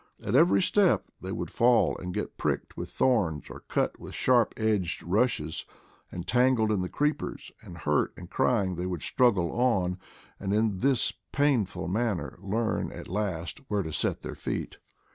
At every step they would fall, and get pricked with thorns or cut with sharp edged rushes, and tangled in the creepers, and hurt and crying they would struggle on, and in this painful manner learn at last where to set their feet.